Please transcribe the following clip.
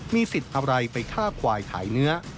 มีสิทธิ์อะไรไปฆ่าควายขายเนื้อ